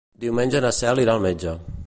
Diumenge na Cel irà al metge.